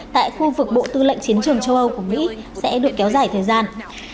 tại khu vực bộ tư lệnh chiến trường châu âu của mỹ sẽ được kéo dài thời gian